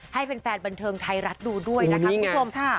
ให้แฟนบันเทิงไทยรัฐดูด้วยนะคะคุณผู้ชม